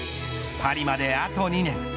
パリまであと２年。